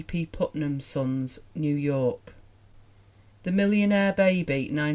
G. P. Putnam's Sons, New York. The Millionaire Baby, 1905.